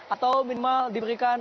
atau minimal diberikan